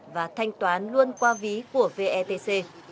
và thanh toán luôn qua ví của vetc